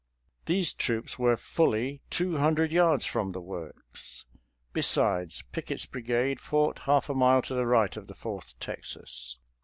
These troops were fully two hundred yards from the works. Besides, Pickett's brigade fought half a mile to the right of the Fourth Texas.